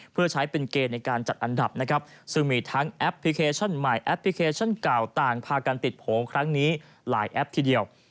เพื่อใช้เป็นเกณฑ์ในการจัดอันดับนะครับซึ่งมีทั้งแอปพลิเคชันใหม่แอปพลิเคชันเก่าต่างพากันติดโผล่ครั้งนี้หลายแอปทีเดียว